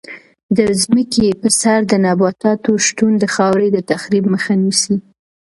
د ځمکې په سر د نباتاتو شتون د خاورې د تخریب مخه نیسي.